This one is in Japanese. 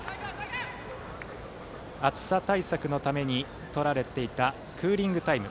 暑さ対策のためにとられていたクーリングタイム。